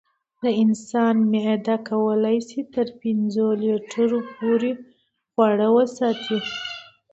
د انسان معده کولی شي تر پنځو لیټرو پورې خواړه وساتي.